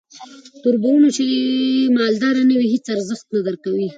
توربرونو کې چې مالداره نه وې هیس ارزښت نه درکوي.